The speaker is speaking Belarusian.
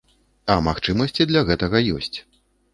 А магчымасці для гэта ёсць.